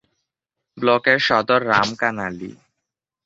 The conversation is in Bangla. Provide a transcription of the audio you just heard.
ব্লকের সদর রামকানালি।